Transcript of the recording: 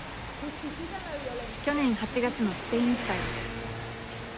去年８月のスペイン議会です。